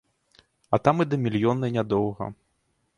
А там і да мільённай нядоўга.